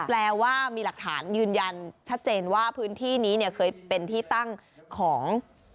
แปลว่ามีหลักฐานยืนยันชัดเจนว่าพื้นที่นี้เนี่ยเคยเป็นที่ตั้งของ